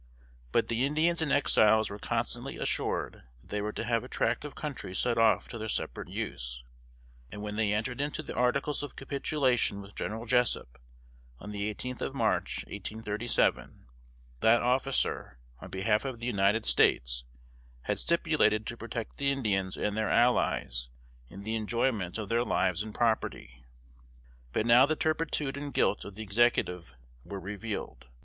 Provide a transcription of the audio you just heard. But the Indians and Exiles were constantly assured, that they were to have a tract of country set off to their separate use; and when they entered into the articles of capitulation with General Jessup, on the eighteenth of March, 1837, that officer, on behalf of the United States, had stipulated to protect the Indians and "their allies" in the enjoyment of their lives and property. But now the turpitude and guilt of the Executive were revealed.